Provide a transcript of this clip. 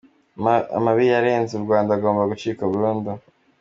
Amabi yaranze u Rwanda agomba gucika burundu.